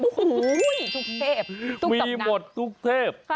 โอ้โหมีหมดทุกเทพ